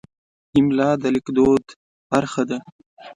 املا د لیکدود برخه ده.